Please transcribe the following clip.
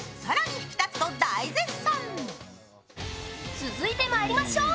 続いてまいりましょう。